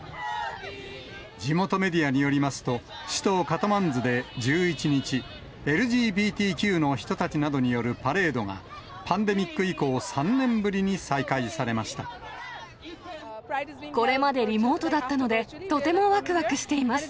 地元メディアによりますと、首都カトマンズで１１日、ＬＧＢＴＱの人たちなどによるパレードが、パンデミック以降、これまでリモートだったので、とてもわくわくしています。